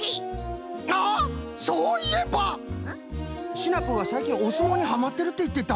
シナプーがさいきんおすもうにハマってるっていってた。